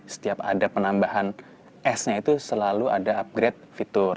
setiap ada penambahan s nya itu selalu ada upgrade fitur